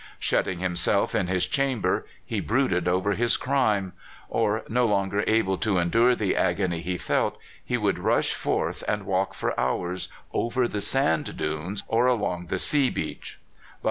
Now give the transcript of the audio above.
Shut ting himself in his chamber, he brooded over his crime; or, no longer able to endure the agony he felt, he would rush forth, and walk for hours over the sand dunes or along the seabeach.